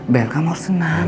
bel kamu harus senang